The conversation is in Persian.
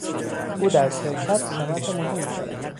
او در شرکت سمت مهمی دارد.